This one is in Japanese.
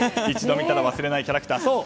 一度見たら忘れないキャラクター。